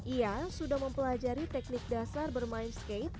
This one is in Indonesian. ia sudah mempelajari teknik dasar bermain skate